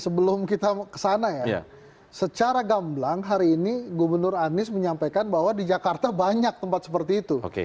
sebelum kita kesana ya secara gamblang hari ini gubernur anies menyampaikan bahwa di jakarta banyak tempat seperti itu